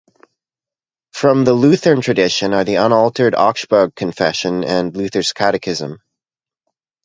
From the Lutheran tradition are the unaltered Augsburg Confession and Luther's Catechism.